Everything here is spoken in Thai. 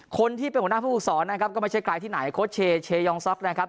คนที่เป็นหัวหน้าผู้ฝึกศรนะครับก็ไม่ใช่ใครที่ไหนโค้ชเชยองซ็อกนะครับ